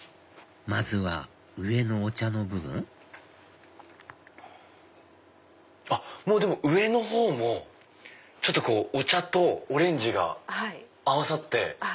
まずは上のお茶の部分もう上の方もお茶とオレンジが合わさって。